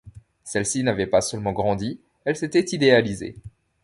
Celle-ci n’avait pas seulement grandi, elle s’était idéalisée.